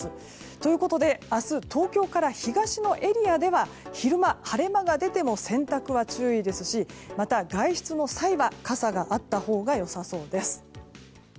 ということで、明日東京から東のエリアでは昼間、晴れ間が出ても洗濯は注意ですしまた外出の際は傘があったほうが良さそうです。